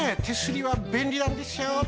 手すりはべんりなんですよ。